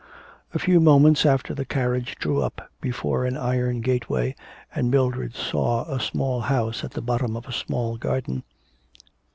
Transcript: A few moments after the carriage drew up before an iron gateway, and Mildred saw a small house at the bottom of a small garden.